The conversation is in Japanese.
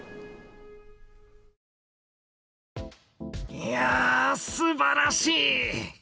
いやすばらしい！